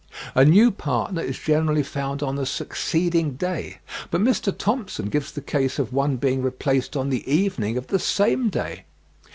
A new partner is generally found on the succeeding day; but Mr. Thompson gives the case of one being replaced on the evening of the same day.